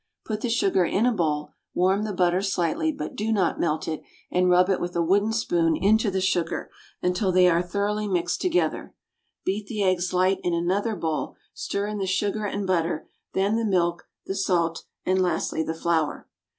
Put the sugar in a bowl, warm the butter slightly, but do not melt it, and rub it with a wooden spoon into the sugar until they are thoroughly mixed together. Beat the eggs light in another bowl, stir in the sugar and butter, then the milk, the salt, and lastly the flour.